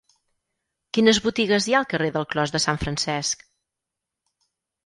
Quines botigues hi ha al carrer del Clos de Sant Francesc?